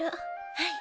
はい。